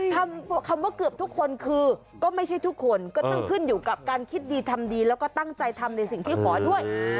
คำว่าเกือบทุกคนคือก็ไม่ใช่ทุกคนก็ต้องขึ้นอยู่กับการคิดดีทำดีแล้วก็ตั้งใจทำในสิ่งที่ขอด้วย